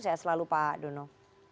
sehat selalu pak dono